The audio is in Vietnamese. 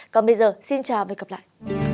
còn bây giờ xin chào và hẹn gặp lại